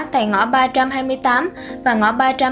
tại ngõ ba trăm hai mươi tám và ngõ ba trăm hai mươi